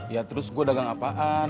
ya terus gue dagang apaan